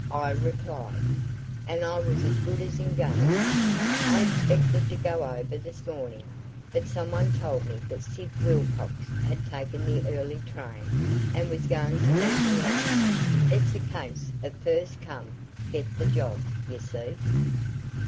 I replied, and was as good as engaged. I expected to go over this morning, but some one told me that Sid Wilcox had taken the early train and was going to beat me out It's a case of first come get the job, you see."